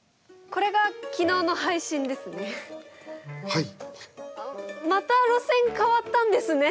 はい。